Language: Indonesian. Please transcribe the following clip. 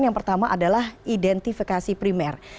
yang pertama adalah identifikasi primer